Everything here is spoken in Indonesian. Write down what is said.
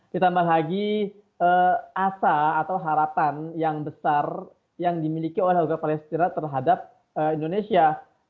ditambah lagi asa atau harapan yang besar yang dimiliki oleh warga palestina terhadap indonesia